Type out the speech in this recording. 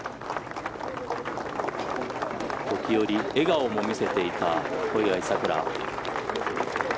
時折、笑顔も見せていた小祝さくら。